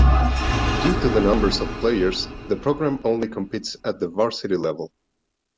Due to the numbers of players, the program only competes at the varsity level.